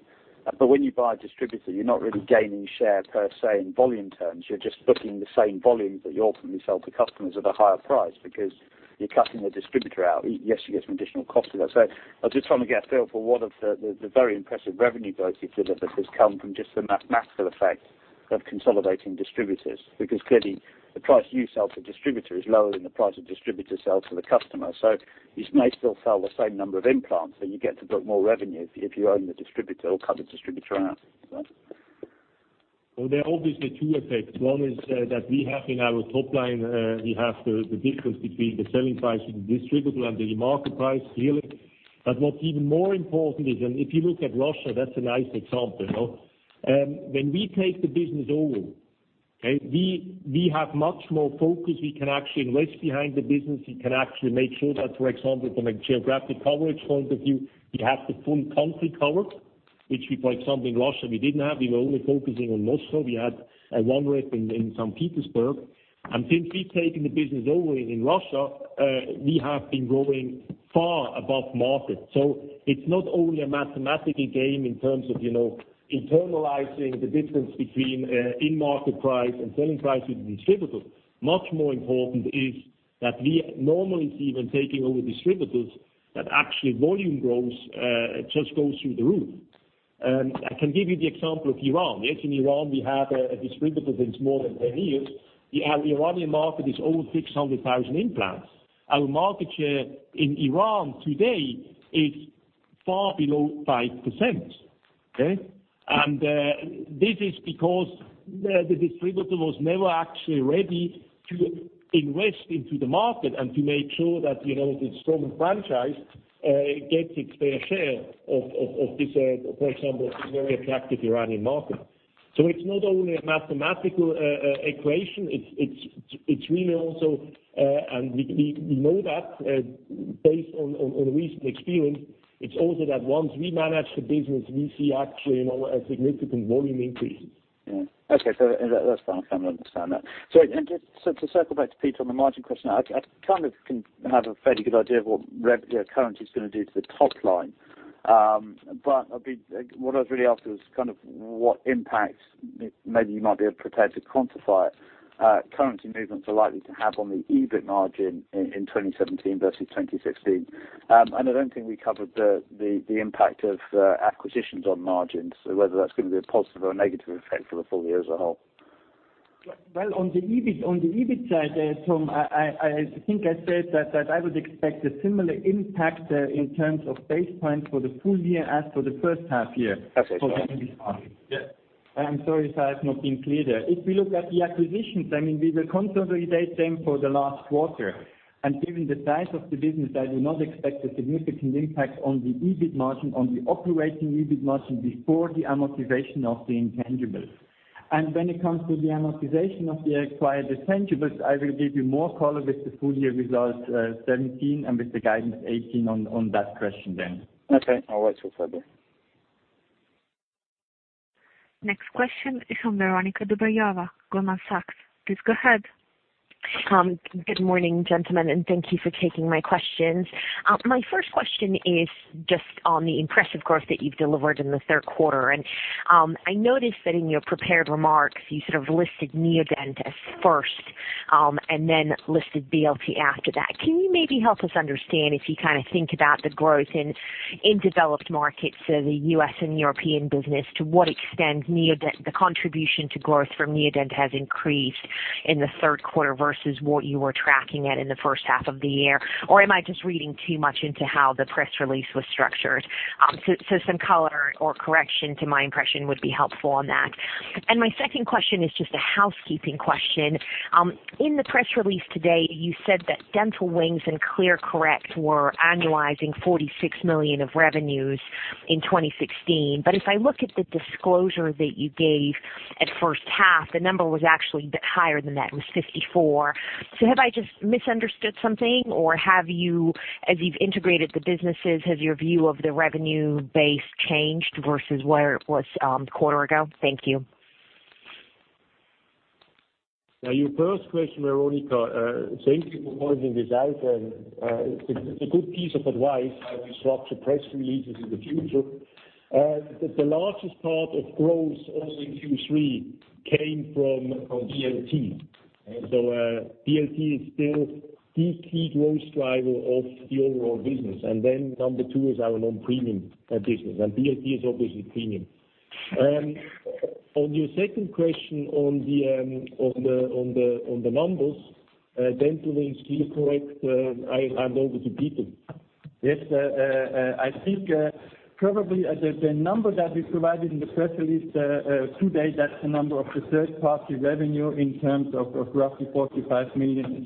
When you buy a distributor, you're not really gaining share per se in volume terms. You're just booking the same volumes that you ultimately sell to customers at a higher price because you're cutting the distributor out. Yes, you get some additional cost to that. I was just trying to get a feel for what of the very impressive revenue growth you've delivered has come from just the mathematical effect of consolidating distributors, because clearly the price you sell to distributor is lower than the price a distributor sells to the customer. You may still sell the same number of implants, but you get to book more revenue if you own the distributor or cut the distributor out. Well, there are obviously two effects. One is that we have in our top line, we have the difference between the selling price to the distributor and the market price really. What's even more important is, and if you look at Russia, that's a nice example. When we take the business over, okay, we have much more focus. We can actually invest behind the business. We can actually make sure that, for example, from a geographic coverage point of view, we have the full country covered, which for example, in Russia, we didn't have. We were only focusing on Moscow. We had one rep in St. Petersburg. Since we've taken the business over in Russia, we have been growing far above market. It's not only a mathematical game in terms of internalizing the difference between in market price and selling price to the distributor. Much more important is that we normally see when taking over distributors that actually volume growth just goes through the roof. I can give you the example of Iran. Yes, in Iran, we have a distributor that's more than 10 years. The Iranian market is over 600,000 implants. Our market share in Iran today is far below 5%. Okay. This is because the distributor was never actually ready to invest into the market and to make sure that it's a strong franchise, gets its fair share of this, for example, very attractive Iranian market. It's not only a mathematical equation. It's really also, and we know that based on recent experience, it's also that once we manage the business, we see actually a significant volume increase. Yeah. Okay. That's fine. I understand that. Just to circle back to Peter on the margin question, I kind of have a fairly good idea of what revenue currency is going to do to the top line. What I was really asking was kind of what impact, maybe you might be prepared to quantify it, currency movements are likely to have on the EBIT margin in 2017 versus 2016. I don't think we covered the impact of acquisitions on margins, so whether that's going to be a positive or a negative effect for the full year as a whole. Well, on the EBIT side, Tom, I think I said that I would expect a similar impact in terms of basis points for the full year as for the first half year. Okay. Got it. For the EBIT margin. I'm sorry if I have not been clear there. If we look at the acquisitions, we will consolidate them for the last quarter. Given the size of the business, I do not expect a significant impact on the EBIT margin, on the operating EBIT margin before the amortization of the intangibles. When it comes to the amortization of the acquired intangibles, I will give you more color with the full year results 2017 and with the guidance 2018 on that question then. Okay. I'll wait till February. Next question is from Veronika Dubajova, Goldman Sachs. Please go ahead. Good morning, gentlemen, and thank you for taking my questions. My first question is just on the impressive growth that you've delivered in the third quarter. I noticed that in your prepared remarks, you sort of listed Neodent as first, and then listed BLT after that. Can you maybe help us understand if you kind of think about the growth in developed markets, so the U.S. and European business, to what extent the contribution to growth from Neodent has increased in the third quarter versus what you were tracking at in the first half of the year? Am I just reading too much into how the press release was structured? Some color or correction to my impression would be helpful on that. My second question is just a housekeeping question. In the press release today, you said that Dental Wings and ClearCorrect were annualizing 46 million of revenues in 2016. If I look at the disclosure that you gave at first half, the number was actually a bit higher than that. It was 54 million. Have I just misunderstood something, or have you, as you've integrated the businesses, has your view of the revenue base changed versus where it was a quarter ago? Thank you. Your first question, Veronika, thank you for pointing this out, and it's a good piece of advice how we structure press releases in the future. The largest part of growth over in Q3 came from BLT. BLT is still the key growth driver of the overall business. Number 2 is our own premium business, and BLT is obviously premium. On your second question on the numbers, Dental Wings, ClearCorrect, I hand over to Peter. Yes. I think probably the number that we provided in the press release today, that's the number of the third party revenue in terms of roughly 45 million.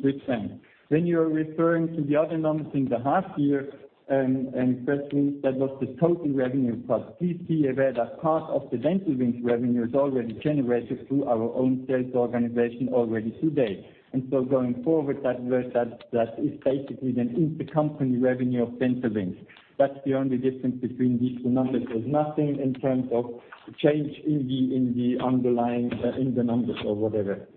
When you're referring to the other numbers in the half year and press release, that was the total revenue. Please be aware that part of the Dental Wings revenue is already generated through our own sales organization already today. Going forward, that is basically then intercompany revenue of Dental Wings. That's the only difference between these two numbers. There's nothing in terms of change in the underlying, in the numbers or whatever.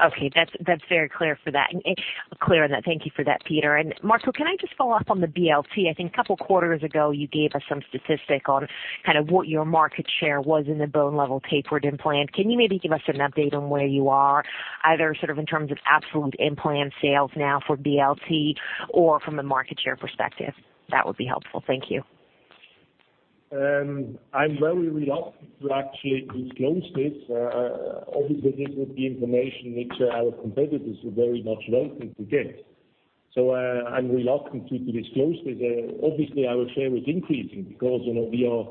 Okay. That is very clear on that. Thank you for that, Peter. Marco, can I just follow up on the BLT? I think a couple quarters ago, you gave us some statistic on kind of what your market share was in the bone level tapered implant. Can you maybe give us an update on where you are, either sort of in terms of absolute implant sales now for BLT or from a market share perspective? That would be helpful. Thank you. I am very reluctant to actually disclose this, obviously, this is the information which our competitors are very much looking to get. I am reluctant to disclose this. Obviously, our share is increasing because we are,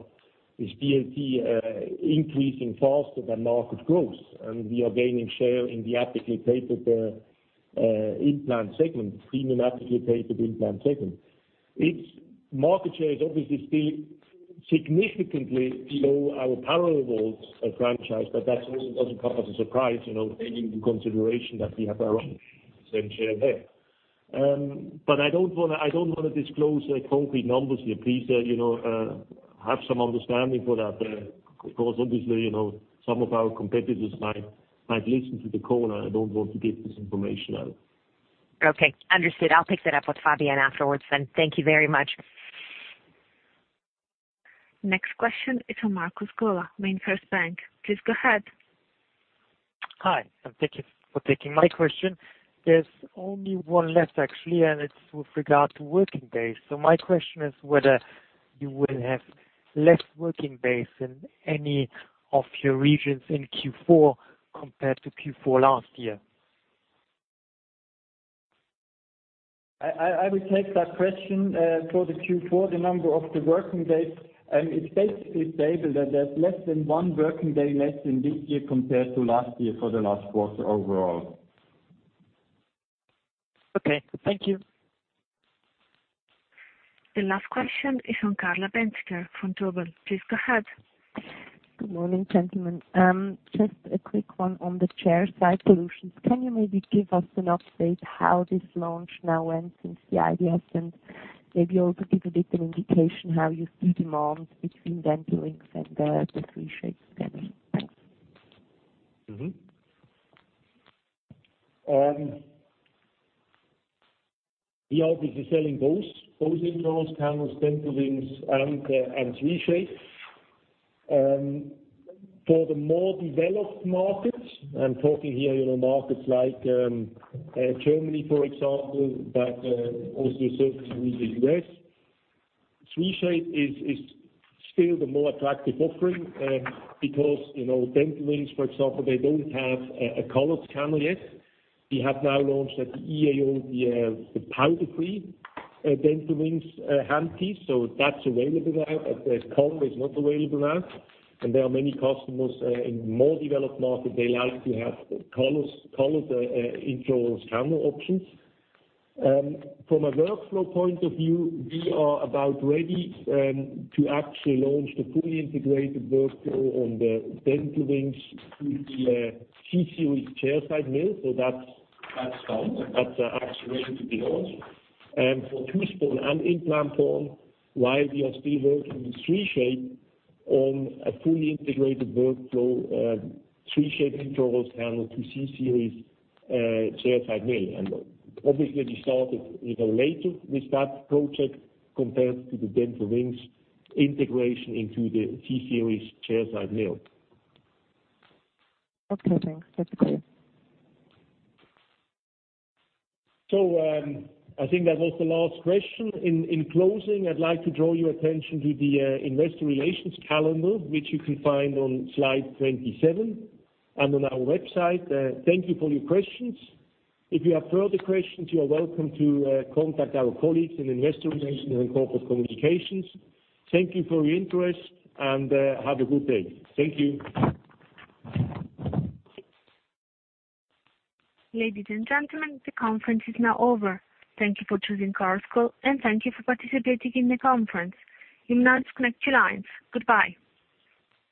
with BLT, increasing faster than market growth, and we are gaining share in the actively plated implant segment, premium actively plated implant segment. Market share is obviously still significantly below our parallel walled franchise, that really doesn't come as a surprise, taking into consideration that we have around the same share there. I don't want to disclose concrete numbers here. Please, have some understanding for that. Obviously, some of our competitors might listen to the call, and I don't want to give this information out. Okay, understood. I will pick that up with Fabian afterwards then. Thank you very much. Next question is from Markus Gola, MainFirst Bank. Please go ahead. Hi, and thank you for taking my question. There's only one left, actually, and it's with regard to working days. My question is whether you will have less working days in any of your regions in Q4 compared to Q4 last year. I will take that question. For the Q4, the number of the working days, it's basically stable that there's less than one working day less in this year compared to last year for the last quarter overall. Okay, thank you. The last question is from Carla Bänziger from Vontobel. Please go ahead. Good morning, gentlemen. Just a quick one on the chairside solutions. Can you maybe give us an update how this launch now went since the IDS, and maybe also give a little indication how you see demand between Dental Wings and the 3Shape scanner? Thanks. We are obviously selling both intraoral scanners, Dental Wings, and 3Shape. For the more developed markets, I'm talking here markets like Germany, for example, but also certainly the U.S., 3Shape is still the more attractive offering because Dental Wings, for example, they don't have a color scanner yet. We have now launched at the EAO the powder-free Dental Wings handpiece, so that's available now. The color is not available now, there are many customers in more developed markets, they like to have color intraoral scanner options. From a workflow point of view, we are about ready to actually launch the fully integrated workflow on the Dental Wings through the C series chairside mill, so that's coming. That's actually ready to be launched. For two-stage and implantology, while we are still working with 3Shape on a fully integrated workflow, 3Shape intraoral scanner to C series chairside mill. Obviously we started even later with that project compared to the Dental Wings integration into the C series chairside mill. Okay, thanks. That's clear. I think that was the last question. In closing, I'd like to draw your attention to the investor relations calendar, which you can find on slide 27 and on our website. Thank you for your questions. If you have further questions, you are welcome to contact our colleagues in investor relations and corporate communications. Thank you for your interest, and have a good day. Thank you. Ladies and gentlemen, the conference is now over. Thank you for choosing Chorus Call, and thank you for participating in the conference. You may disconnect your lines. Goodbye.